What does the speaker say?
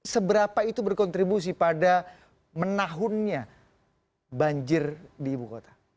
seberapa itu berkontribusi pada menahunnya banjir di ibu kota